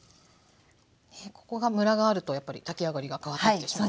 ねえここがむらがあるとやっぱり炊き上がりが変わってきてしまう。